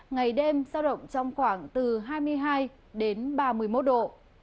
ngày đêm sao động trong khoảng từ hai mươi hai ba mươi một độ